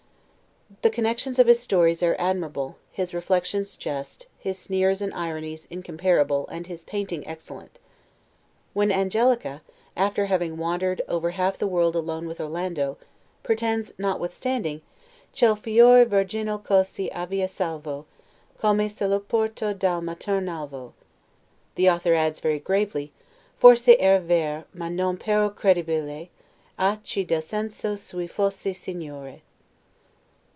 The connections of his stories are admirable, his reflections just, his sneers and ironies incomparable, and his painting excellent. When Angelica, after having wandered over half the world alone with Orlando, pretends, notwithstanding, " ch'el fior virginal cosi avea salvo, Come selo porto dal matern' alvo." The author adds, very gravely, "Forse era ver, ma non pero credibile A chi del senso suo fosse Signore."